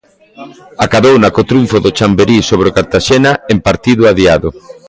Acadouna co triunfo do Chamberí sobre o Cartaxena en partido adiado.